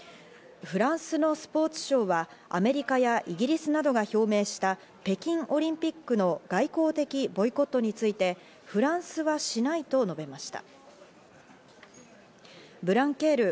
フランスのスポーツ相はアメリカやイギリスなどが表明した北京オリンピックの外交的ボイコットについてフランスはしないと述べました。